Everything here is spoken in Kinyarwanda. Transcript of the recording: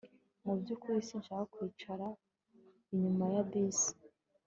Mu byukuri sinshaka kwicara inyuma ya bisi